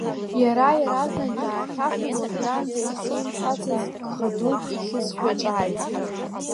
Иара иаразнак даахьаҳәын, уажәраанӡа иахьсеимҳәацыз гха дук ихьызшәа ҿааиҭит.